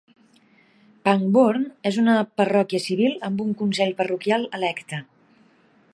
Pangbourne és una parròquia civil amb un consell parroquial electe.